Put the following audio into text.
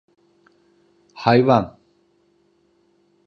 Hayvan!